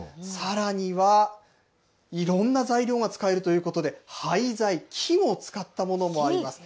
さらにはいろんな材料が使えるということで、廃材、木を使ったものもあります。